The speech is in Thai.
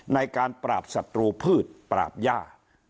ในการปราบศัตรูพืชปราบย่า